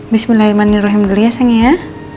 bismillahirrahmanirrahim gelias ya